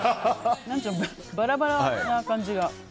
バラバラな感じが。